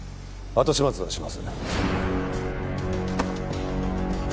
後始末はします。